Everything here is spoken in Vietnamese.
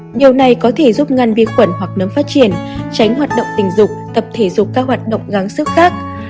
nhiều này có thể giúp ngăn viên khuẩn hoặc nấm phát triển tránh hoạt động tình dục tập thể dục các hoạt động gắng sức khác